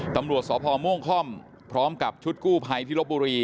ตำรวจสพม่วงค่อมพร้อมกับชุดกู้ภัยที่ลบบุรี